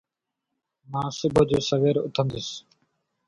مان صبح جو سوير اٿندس